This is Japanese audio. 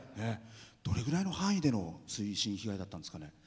どれぐらいでの範囲での被害だったんですか？